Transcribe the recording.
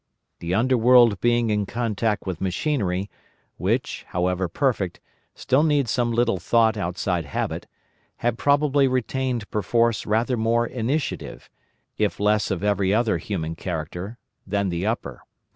The Underworld being in contact with machinery, which, however perfect, still needs some little thought outside habit, had probably retained perforce rather more initiative, if less of every other human character, than the Upper.